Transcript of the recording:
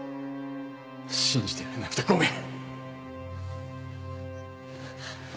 信じてやれなくてごめん